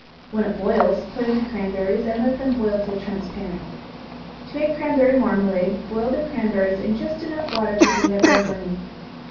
When it boils, put in the cranberries, and let them boil till transparent. To make cranberry marmalade, boil the cranberries in just water enough to prevent their burning.